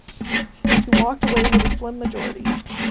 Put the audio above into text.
He walked away with a slim majority.